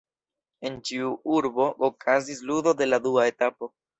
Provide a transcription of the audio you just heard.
En ĉiu urbo okazis ludo de la dua etapo.